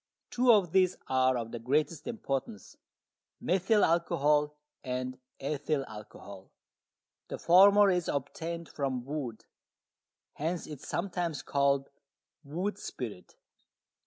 Two of these are of the greatest importance, methyl alcohol and ethyl alcohol. The former is obtained from wood, hence it is sometimes called wood spirit.